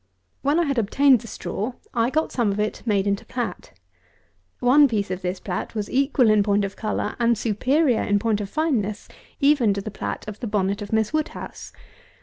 218. When I had obtained the straw, I got some of it made into plat. One piece of this plat was equal in point of colour, and superior in point of fineness, even to the plat of the bonnet, of Miss WOODHOUSE.